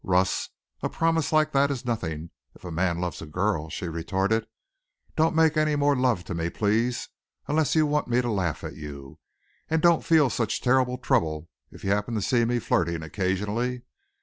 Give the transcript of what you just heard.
"Russ, a promise like that is nothing if a man loves a girl," she retorted. "Don't make any more love to me, please, unless you want me to laugh at you. And don't feel such terrible trouble if you happen to see me flirting occasionally."